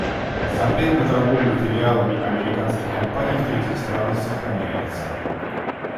Запрет на торговлю с филиалами американских компаний в третьих странах сохраняется.